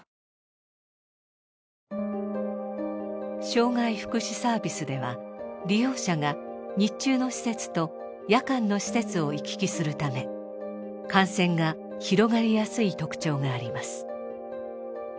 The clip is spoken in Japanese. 障害福祉サービスでは利用者が日中の施設と夜間の施設を行き来するため感染が広がりやすい特徴があります。